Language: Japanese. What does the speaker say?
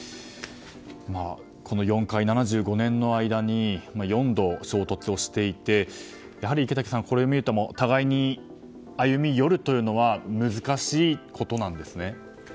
この７５年の間に４度衝突をしていてやはり池滝さん、これを見ると互いに歩み寄るというのは難しいことなんですね。